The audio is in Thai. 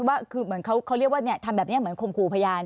ว่าคือเหมือนเขาเรียกว่าทำแบบนี้เหมือนคมครูพยาน